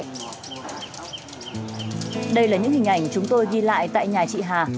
đây là những hình ảnh chúng tôi ghi lại tại nhà chị hà